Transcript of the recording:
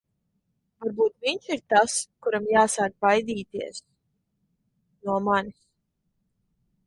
Varbūt viņš ir tas, kuram jāsāk baidīties... no manis.